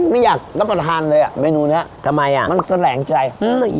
ไม่อยากรับประทานเลยอ่ะเมนูเนี้ยทำไมอ่ะมันแสลงใจอืม